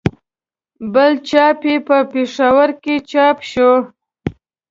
بل چاپ یې په پېښور کې چاپ شوی.